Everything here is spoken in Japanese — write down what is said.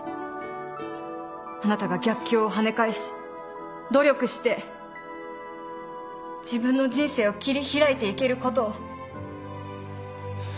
あなたが逆境をはね返し努力して自分の人生を切り開いていけることを。